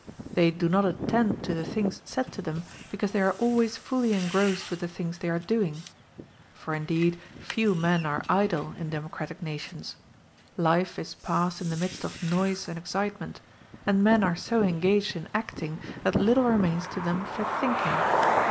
They do not attend to the things said to them, because they are always fully engrossed with the things they are doing. For indeed few men are idle in democratic nations; life is passed in the midst of noise and excitement, and men are so engaged in acting that little remains to them for thinking.